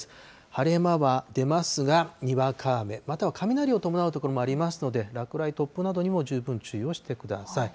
晴れ間は出ますが、にわか雨、または雷を伴う所もありますので、落雷、突風などにも十分注意をしてください。